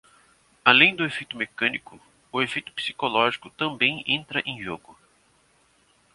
Além do efeito mecânico, o efeito psicológico também entra em jogo.